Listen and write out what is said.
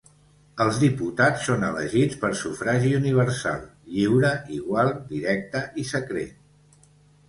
Els diputats són elegits per sufragi universal, lliure, igual, directe i secret.